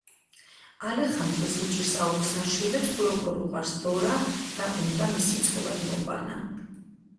ალეხანდროს უჭირს აუხსნას შვილებს თუ როგორ უყვარს დორა და უნდა მისი ცოლად მოყვანა.